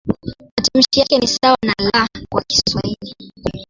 Matamshi yake ni sawa na "L" kwa Kiswahili.